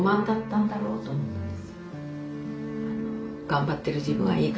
頑張ってる自分はいい。